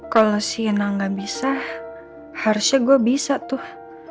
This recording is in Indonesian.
kalau sienna gak bisa harusnya gue bisa tuh